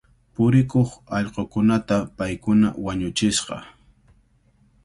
Purikuq allqukunata paykuna wañuchishqa.